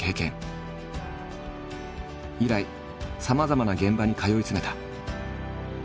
以来さまざまな現場に通い詰めた。